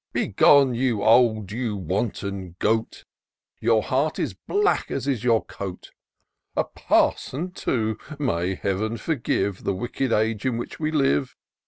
Begone, you old, you wanton goat ! Your heart is black as is your coat ! A parson too ! may Heaven forgive The wicked age in which we live !